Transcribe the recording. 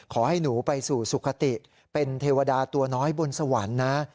ขอให้หนูไปสู่สุขติเป็นเทวดาตัวน้อยบนสวรรค์นะ